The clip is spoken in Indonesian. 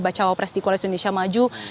bacawa pres di koalisi indonesia maju